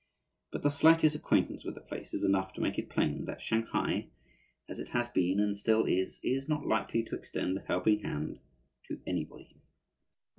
But the slightest acquaintance with the place is enough to make it plain that Shanghai, as it has been and still is, is not likely to extend a helping hand to anybody.